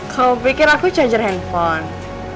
kalo pikir aku charger handphone